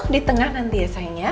di tengah nanti ya sayang ya